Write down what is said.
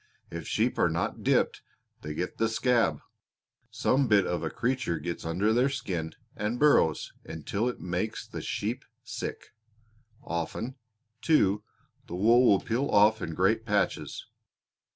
If sheep are not dipped they get the 'scab.' Some bit of a creature gets under their skin and burrows until it makes the sheep sick. Often, too, the wool will peel off in great patches.